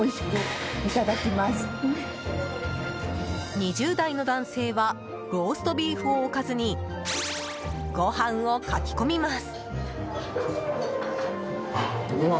２０代の男性はローストビーフをおかずにご飯をかき込みます。